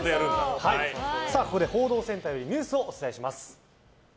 ここで報道センターよりニュースをお伝えします。